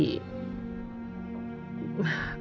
semoga saja orang yang menelpon al tadi